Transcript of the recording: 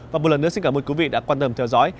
và một lần nữa xin cảm ơn quý vị đã quan tâm theo dõi